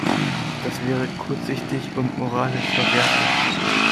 Das wäre kurzsichtig und moralisch verwerflich.